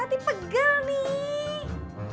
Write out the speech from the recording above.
tati pegel nih